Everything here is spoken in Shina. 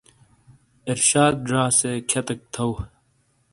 ارشاد زا سے کھیاتیک تھو۔